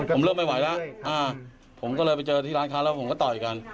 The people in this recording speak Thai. ผมเริ่มไม่ไหวแล้วผมก็เลยไปเจอที่ร้านค้าแล้วผมก็ต่อยกัน